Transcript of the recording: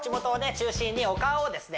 中心にお顔をですね